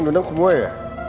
ini undang semua ya